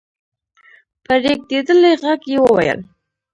په رېږدېدلې غږ يې وويل: